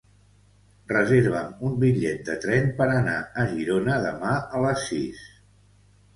Reserva'm un bitllet de tren per anar a Girona demà a les sis.